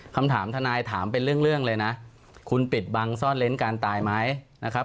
ทนายถามเป็นเรื่องเลยนะคุณปิดบังซ่อนเล้นการตายไหมนะครับ